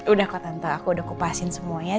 udah kok tante aku udah kupasin semuanya